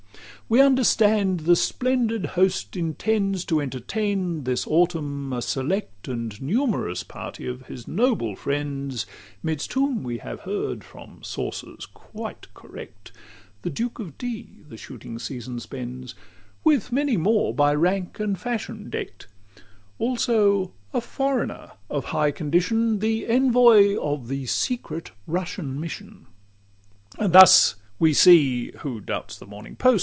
LII "We understand the splendid host intends To entertain, this autumn, a select And numerous party of his noble friends; 'Midst whom we have heard, from sources quite correct, The Duke of D the shooting season spends, With many more by rank and fashion deck'd; Also a foreigner of high condition, The envoy of the secret Russian mission." LIII And thus we see who doubts the Morning Post?